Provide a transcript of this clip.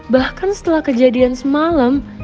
bahkan setelah kejadian semalam